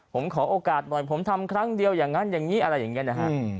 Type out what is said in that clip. ผมขอโอกาสหน่อยผมทำครั้งเดียวอย่างนั้นอย่างนี้อะไรอย่างนี้นะฮะ